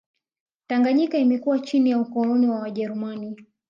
Tanganyika imekuwa chini ya ukoloni wa wajerumani